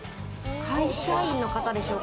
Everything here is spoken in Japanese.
会社員の方でしょうか？